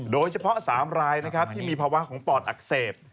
โดยเฉพาะ๓รายนะครับที่มีภาวะของปอดอักเสบ